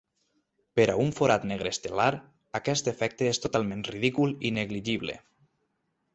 Per a un forat negre estel·lar aquest efecte és totalment ridícul i negligible.